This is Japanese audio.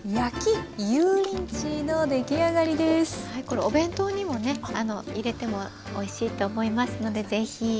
これお弁当にもね入れてもおいしいと思いますのでぜひ。